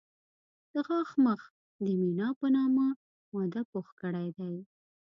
د غاښ مخ د مینا په نامه ماده پوښ کړی دی.